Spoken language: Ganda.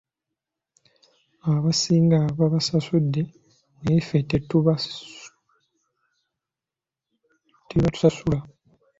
Abasinga babasasudde naye ffe tebatusasula.